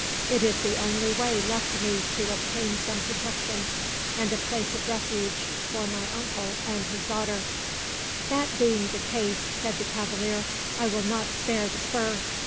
It is the only way left me to obtain some protection, and a place of refuge for my uncle and his daughter." "That being the case," said the cavalier, "I will not spare the spur.